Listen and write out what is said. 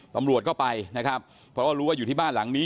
ตำรวจก็ไปนะครับเพราะว่ารู้ว่าอยู่ที่บ้านหลังนี้